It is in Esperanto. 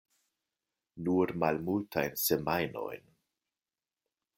Nur malmultajn semajnojn.